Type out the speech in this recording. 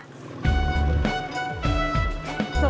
terus terus terus